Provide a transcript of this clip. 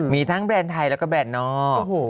มีทั้งแบรนด์ไทยแล้วก็แบรนด์นอก